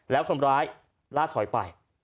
แล้วคนร้ายล่าถอยไป